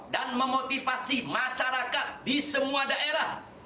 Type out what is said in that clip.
dan memotivasi masyarakat di semua daerah